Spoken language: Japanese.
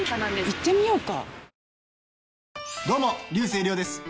行ってみようか。